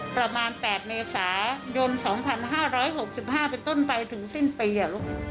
ประมาณ๘เมษายน๒๕๖๕เป็นต้นไปถึงสิ้นปีลูก